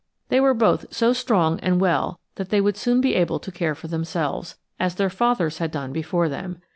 They were both so strong and well that they would soon be able to care for themselves, as their fathers had done before them.